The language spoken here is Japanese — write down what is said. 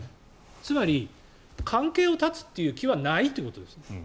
つまり、関係を絶つっていう気はないということです。